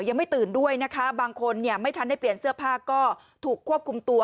ยังไม่ตื่นด้วยนะคะบางคนเนี่ยไม่ทันได้เปลี่ยนเสื้อผ้าก็ถูกควบคุมตัว